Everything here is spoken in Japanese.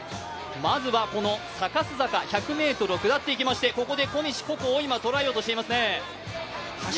まずはサカス坂、１００ｍを下っていきまして、ここで小西鼓子を今、捉えようとしていますね。